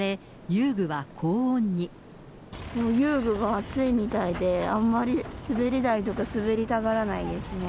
遊具が熱いみたいで、あんまり滑り台とか滑りたがらないですね。